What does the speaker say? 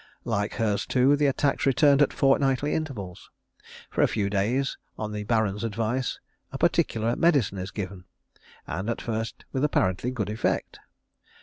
Like hers, too, the attacks returned at fortnightly intervals: For a few days, on the Baron's advice, a particular medicine is given, and at first with apparently good effect.